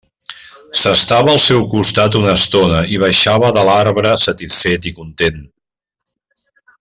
S'estava al seu costat una estona i baixava de l'arbre satisfet i content.